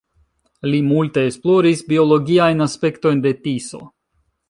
Li multe esploris biologiajn aspektojn de Tiso.